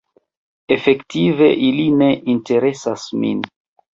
Efektive ili ne interesas min.